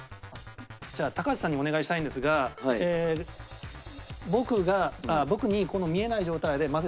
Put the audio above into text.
じゃあ高橋さんにお願いしたいんですが僕が僕に見えない状態で交ぜてもらってですね